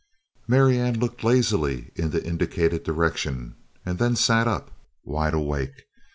Marianne looked lazily in the indicated direction and then sat up, wide awake.